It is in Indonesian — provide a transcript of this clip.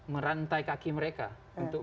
merantai kaki mereka untuk